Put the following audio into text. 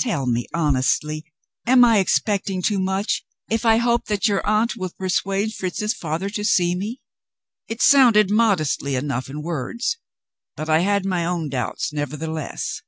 Tell me, honestly, am I expecting too much, if I hope that your aunt will persuade Fritz's father to see me?" It sounded modestly enough in words. But I had my own doubts, nevertheless.